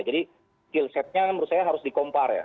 jadi skillsetnya menurut saya harus di compare ya